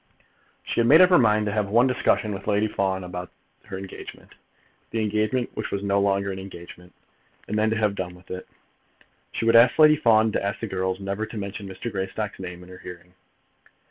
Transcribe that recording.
She had made up her mind to have one discussion with Lady Fawn about her engagement, the engagement which was no longer an engagement, and then to have done with it. She would ask Lady Fawn to ask the girls never to mention Mr. Greystock's name in her hearing.